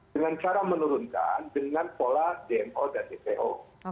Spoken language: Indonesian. dengan cara menurunkan dengan pola dmo dan dpo